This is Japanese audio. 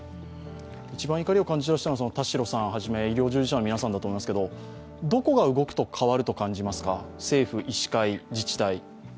一番怒りを感じていらっしゃるのは、田代さんはじめ医療従事者の皆さんだと思いますが、どこが動くと変わると思いますか、政府、医師会、自治体。